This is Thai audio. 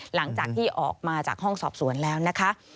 หลังจากที่ออกมาจากห้องสอบสวนแล้วนะคะ